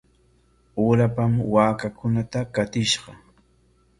Urapam waakakunata qatishqa.